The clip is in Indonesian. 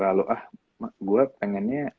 ah mah gue pengennya